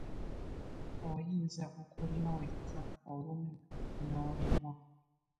Oyinza okulima wekka olumu nolemwa.